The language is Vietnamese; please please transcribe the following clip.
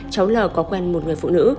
cháu lò có quen một người phụ nữ